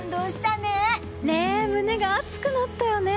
ね、胸が熱くなったよね。